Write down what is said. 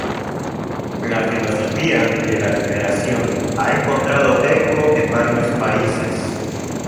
La filosofía de la liberación ha encontrado eco en varios países.